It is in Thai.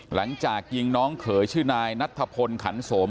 หลังจากยิงน้องเขยชื่อนายนัทธพลขันโสม